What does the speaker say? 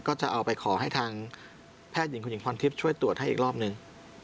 ก็จะเอาไปขอให้ทางแพทย์หญิงคุณหญิงพรทิพย์ช่วยตรวจให้อีกรอบหนึ่ง